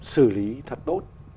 xử lý thật tốt